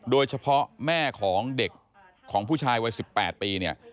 โดยเฉพาะแม่ของเด็กของผู้ชายวัย๑๘ปีเนี่ย